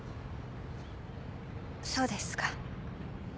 そうですか。